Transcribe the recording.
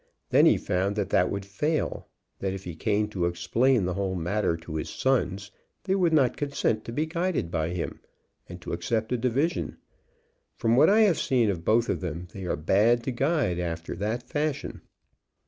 Then he found that that would fail, that if he came to explain the whole matter to his sons, they would not consent to be guided by him, and to accept a division. From what I have seen of both of them, they are bad to guide after that fashion.